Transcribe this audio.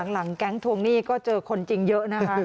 หลังแก๊งทวงหนี้ก็เจอคนจริงเยอะนะคะ